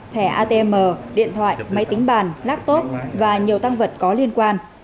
thẻ atm điện thoại máy tính bàn laptop và nhiều tăng vật có liên quan